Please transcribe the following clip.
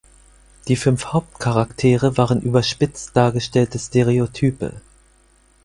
Die fünf Hauptcharaktere waren überspitzt dargestellte Stereotype.